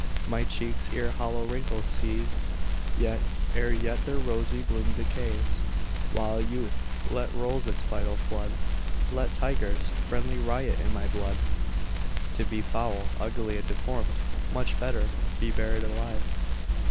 My cheeks ere hollow wrinkles seize. Ere yet their rosy bloom decays: While youth yet rolls its vital flood, Let tigers friendly riot in my blood. To be foul, ugly, and deformed, much better be buried alive.